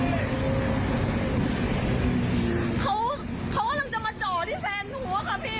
เขาเขาก็ต้องจะมาเจาะที่แฟนหัวค่ะพี่